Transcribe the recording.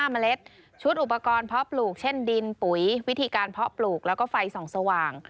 เมล็ดชุดอุปกรณ์เพาะปลูกเช่นดินปุ๋ยวิธีการเพาะปลูกแล้วก็ไฟส่องสว่าง